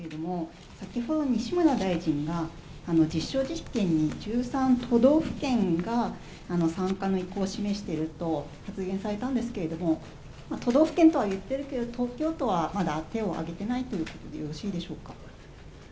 先ほど西村大臣が、実証実験に１３都道府県が参加の意向を示していると発言されたんですけれども、都道府県とはいってるけど、東京都はまだ手を挙げてないということでよろしいでしょうか？